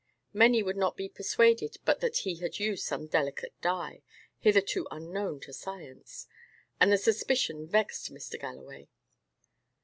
Many would not be persuaded but that he had used some delicate dye, hitherto unknown to science; and the suspicion vexed Mr. Galloway.